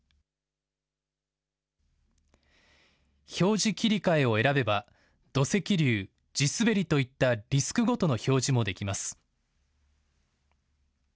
表示切り替えを選べば土石流、地滑りといったリスクごとの表示もできます。